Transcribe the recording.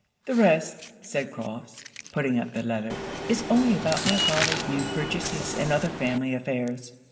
'The rest,' said Crofts, putting up the letter, 'is only about my father's new purchases and other family affairs.'